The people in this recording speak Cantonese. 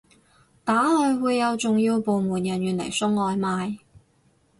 打去會有重要部門人員嚟送外賣？